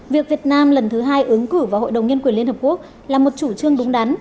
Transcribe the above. việc việt nam lần thứ hai ứng cử vào hội đồng nhân quyền liên hợp quốc là một chủ trương đúng đắn